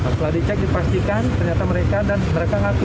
setelah dicek dipastikan ternyata mereka dan mereka ngaku